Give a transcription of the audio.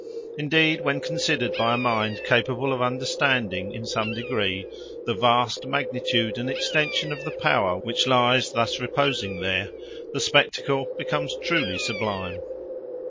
Indeed, when considered by a mind capable of understanding in some degree the vast magnitude and extension of the power which lies thus reposing there, the spectacle becomes truly sublime.